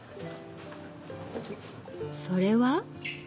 それは？